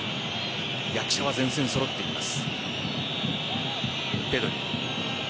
役者は前線、揃っています。